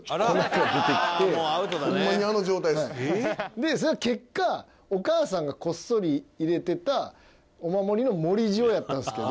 でそれは結果お母さんがこっそり入れてたお守りの盛り塩やったんですけど。